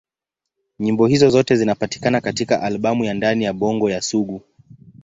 Nyimbo hizo zote zinapatikana katika albamu ya Ndani ya Bongo ya Sugu.